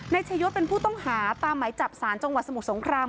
ชายศเป็นผู้ต้องหาตามไหมจับสารจังหวัดสมุทรสงคราม